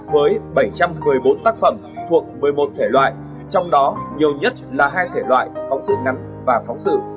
với bảy trăm một mươi bốn tác phẩm thuộc một mươi một thể loại trong đó nhiều nhất là hai thể loại phóng sự ngắn và phóng sự